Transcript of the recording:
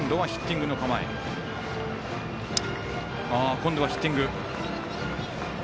今度はヒッティング。